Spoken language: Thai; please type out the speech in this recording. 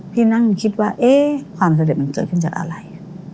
พี่นั่งคิดว่าความสำเร็จมันเกิดขึ้นจากอะไร